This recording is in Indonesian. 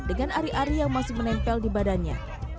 dengan ari ari yang masih menempel di badannya